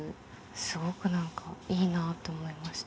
すごく何かいいなと思いました。